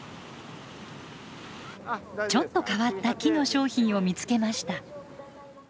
ちょっと変わった木の商品を見つけました。